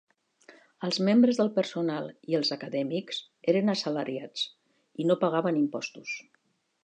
Els membres del personal i els acadèmics eren assalariats i no pagaven impostos.